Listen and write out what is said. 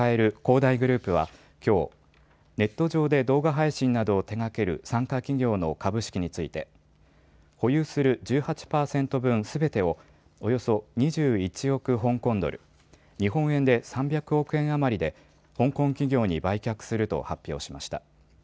大グループはきょう、ネット上で動画配信などを手がける傘下企業の株式について保有する１８％分すべてをおよそ２１億香港ドル、日本円で３００億円余りで香港企業に売却すると発表しました。